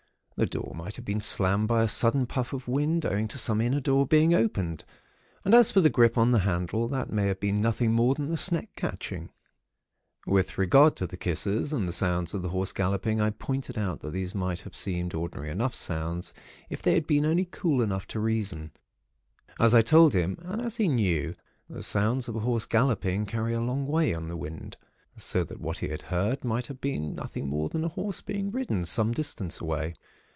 The door might have been slammed by a sudden puff of wind, owing to some inner door being opened; and as for the grip on the handle, that may have been nothing more than the sneck catching. "With regard to the kisses and the sounds of the horse galloping, I pointed out that these might have seemed ordinary enough sounds, if they had been only cool enough to reason. As I told him, and as he knew, the sounds of a horse galloping, carry a long way on the wind; so that what he had heard might have been nothing more than a horse being ridden, some distance away.